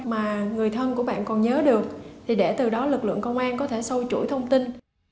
mà người thân của bạn còn nhớ được thì để từ đó lực lượng công an có thể sâu chuỗi thông tin